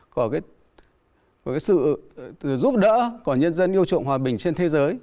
của sự giúp đỡ của nhân dân yêu chuộng hòa bình trên thế giới